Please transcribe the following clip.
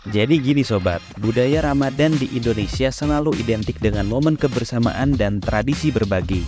jadi gini sobat budaya ramadan di indonesia selalu identik dengan momen kebersamaan dan tradisi berbagi